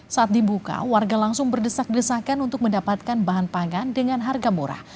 saat dibuka warga langsung berdesak desakan untuk mendapatkan bahan pangan dengan harga murah